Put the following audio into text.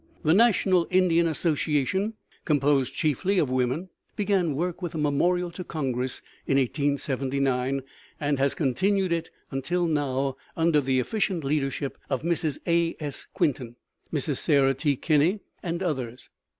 The National Indian Association, composed chiefly of women, began work with a memorial to Congress in 1879, and has continued it until now, under the efficient leadership of Mrs. A. S. Quinton, Mrs. Sara T. Kinney, and others.